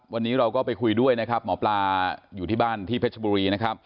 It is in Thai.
วันนี้เรามีลองไปคุยด้วยหมอปลาอยู่ที่บ้านที่เผชบุรี